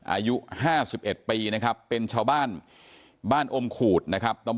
อายุ๕๑ปีนะครับเป็นชาวบ้านบ้านอมขูดนะครับ